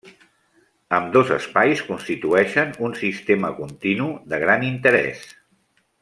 Ambdós espais constitueixen un sistema continu de gran interès.